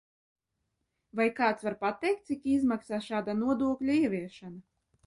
Vai kāds var pateikt, cik izmaksā šāda nodokļa ieviešana?